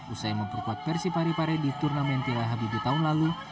usai memperkuat persib hari hari di turnamen tihah habib di tahun lalu